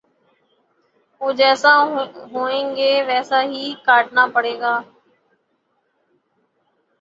، اور جیسا بوئیں گے ویسا ہی کاٹنا پڑے گا